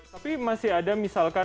tapi masih ada misalkan